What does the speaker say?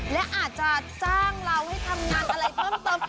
และอาจจะจ้างเราให้ทำงานอะไรเพิ่มเติม